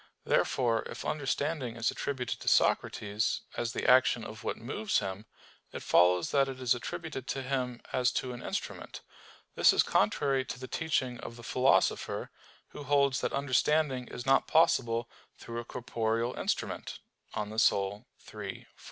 Therefore if understanding is attributed to Socrates, as the action of what moves him, it follows that it is attributed to him as to an instrument. This is contrary to the teaching of the Philosopher, who holds that understanding is not possible through a corporeal instrument (De Anima iii, 4).